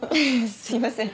すいません